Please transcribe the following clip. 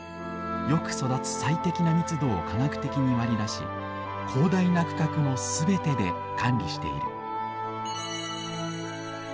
よく育つ最適な密度を科学的に割り出し広大な区画の全てで管理している。